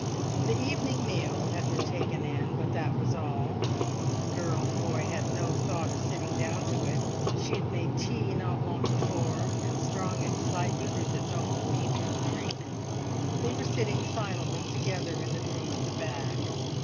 The evening meal had been taken in, but that was all. The girl and boy had no thought of sitting down to it; she had made tea not long before; and strong excitement is its own meat and drink. They were sitting silently together in the room at the back.